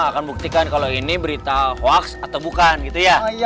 akan buktikan kalau ini berita hoaks atau bukan gitu ya